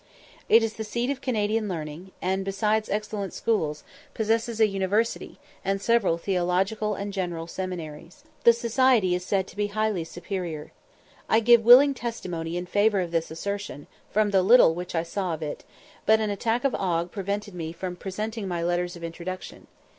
It is the seat of Canadian learning, and, besides excellent schools, possesses a university, and several theological and general seminaries. The society is said to be highly superior. I give willing testimony in favour of this assertion, from the little which I saw of it, but an attack of ague prevented me from presenting my letters of introduction.